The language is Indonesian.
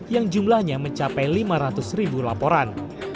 yang jumlahnya mencapai lima ratus ribu laporan